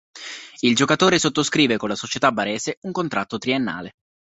Il giocatore sottoscrive con la società barese un contratto triennale.